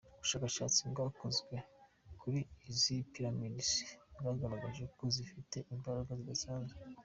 Ubushakashatsi bwakozwe kuri izi Pyramides bwagaragaje ko zifite imbaraga zidasanzwe.